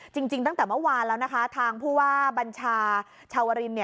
จริงตั้งแต่เมื่อวานแล้วทางบรรชาชาวริน